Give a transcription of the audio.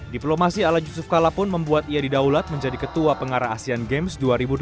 diplomasi ala yusuf kala pun membuat ia didaulat menjadi ketua pengarah asean games dua ribu delapan belas